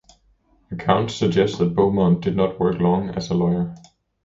Accounts suggest that Beaumont did not work long as a lawyer.